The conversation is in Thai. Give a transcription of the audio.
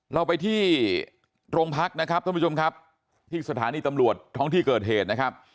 เราไปที่โรงพักนะครับท่านผู้ชมครับที่สถานีตำรวจท้องที่เกิดเหตุนะครับ